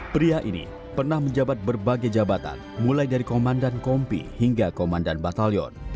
pria ini pernah menjabat berbagai jabatan mulai dari komandan kompi hingga komandan batalion